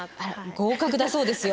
合格だそうですよ。